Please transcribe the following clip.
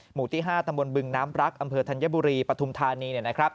หมู่ที่๕ตำบลบึงน้ำรักอำเภอธัญบุรีปฐุมธานี